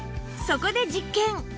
そこで実験